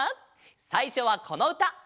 さいしょはこのうた。